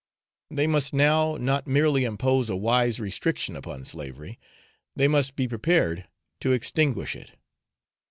They must now not merely impose a wise restriction upon slavery, they must be prepared to extinguish it.